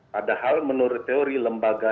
padahal menurut teori lembaga